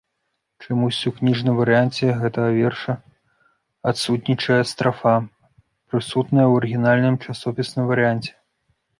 Чамусьці ў кніжным варыянце гэтага верша адсутнічае страфа, прысутная ў арыгінальным часопісным варыянце.